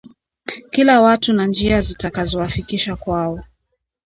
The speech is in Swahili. Kila watu na njia zitakazowafikisha kwao